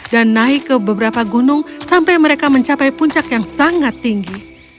dan naik ke beberapa gunung sampai mereka mencapai puncak yang sangat tinggi